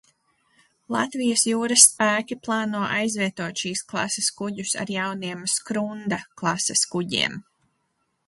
"Latvijas Jūras spēki plāno aizvietot šīs klases kuģus ar jauniem "Skrunda" klases kuģiem."